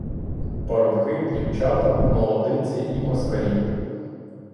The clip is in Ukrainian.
Парубки, дівчата, молодиці і москалі.